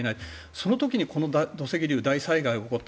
その時にこの土石流大災害が起こった。